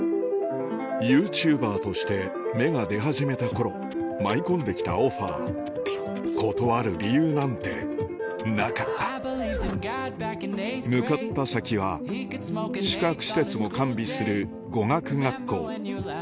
ＹｏｕＴｕｂｅｒとして芽が出始めた頃舞い込んできたオファー断る理由なんてなかった向かった先は宿泊施設も完備する語学学校